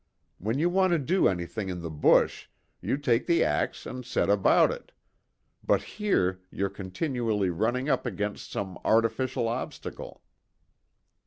When you want to do anything in the bush, you take the axe and set about it; but here you're continually running up against some artificial obstacle."